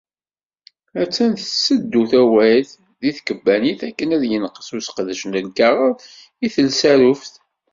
Attan tetteddu tawayt deg tkebbanit akken ad yenqes useqdec n lkaɣeḍ i telsaruft.